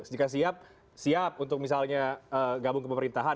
jika siap siap untuk misalnya gabung ke pemerintahan